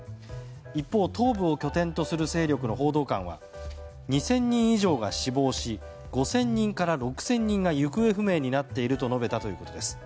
一方、東部を拠点とする勢力の報道官は２０００人以上が死亡し５０００人から６０００人が行方不明になっていると述べたということです。